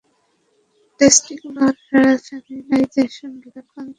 Testicular feminisation রোগে আক্রান্ত হওয়ায় এমন হয়েছে।